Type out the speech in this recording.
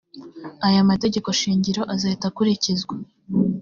aya mategeko shingiro azahita akurikizwa